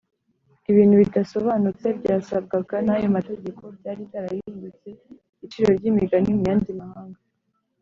. Ibintu bidasobanutse byasabwagwa n’ayo mategeko byari byarahindutse iciro ry’imigani mu yandi mahanga